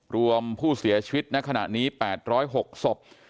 รวมผู้เสียชีวิตณขณะนี้๘๐๖ศพ